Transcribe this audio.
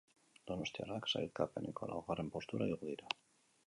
Donostiarrak sailkapeneko laugarren postura igo dira.